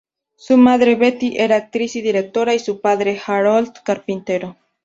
Su madre, Betty, era actriz y directora, y su padre, Harold, carpintero.